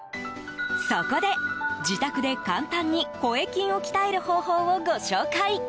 そこで、自宅で簡単に声筋を鍛える方法をご紹介。